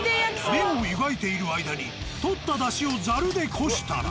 麺を湯がいている間にとっただしをざるでこしたら。